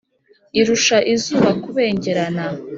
irusha izuba kubengerana